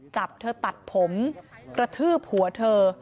จับเธอตัดผมกระทืบหัวเธอ